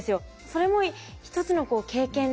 それも一つの経験で。